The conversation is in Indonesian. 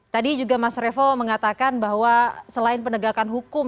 tadi juga mas revo mengatakan bahwa selain penegakan hukum